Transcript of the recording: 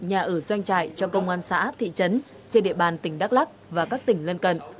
nhà ở doanh trại cho công an xã thị trấn trên địa bàn tỉnh đắk lắc và các tỉnh lân cận